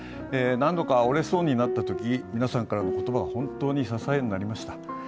何度か折れそうになったとき、皆さんからの言葉が本当に支えになりました。